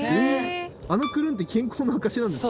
あのクルンって健康の証しなんですか。